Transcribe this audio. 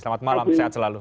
selamat malam sehat selalu